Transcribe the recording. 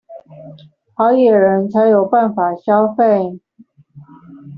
好野人才有辦法消費